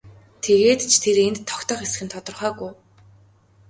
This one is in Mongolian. Тэгээд ч тэр энд тогтох эсэх нь тодорхойгүй.